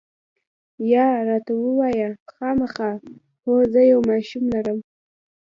یا، راته ووایه، خامخا؟ هو، زه یو ماشوم لرم.